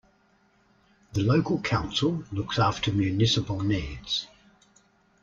The local council looks after municipal needs.